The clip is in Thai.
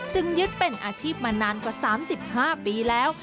ยึดเป็นอาชีพมานานกว่า๓๕ปีแล้ว